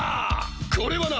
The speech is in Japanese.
これはな